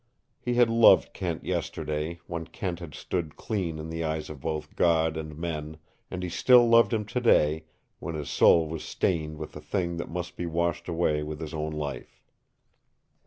He had loved Kent yesterday, when Kent had stood clean in the eyes of both God and men, and he still loved him today, when his soul was stained with a thing that must be washed away with his own life.